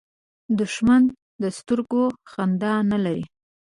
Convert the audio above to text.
دښمن د سترګو خندا نه لري